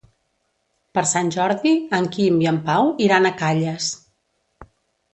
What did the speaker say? Per Sant Jordi en Quim i en Pau iran a Calles.